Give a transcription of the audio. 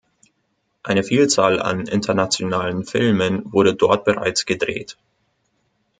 Eine Vielzahl an internationalen Filmen wurde dort bereits gedreht.